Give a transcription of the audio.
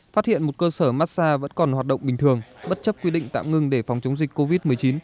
phát hiện một cơ sở mát xa vẫn còn hoạt động bình thường bất chấp quy định tạm ngừng để phòng chống dịch covid một mươi chín